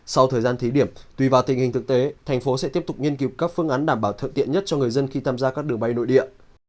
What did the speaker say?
sau thời gian thí điểm tùy vào tình hình thực tế thành phố sẽ tiếp tục nghiên cứu các phương án đảm bảo thuận tiện nhất cho người dân khi tham gia các đường bay nội địa